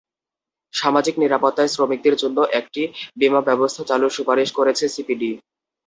সামাজিক নিরাপত্তায় শ্রমিকদের জন্য একটি বিমা ব্যবস্থা চালুর সুপারিশ করেছে সিপিডি।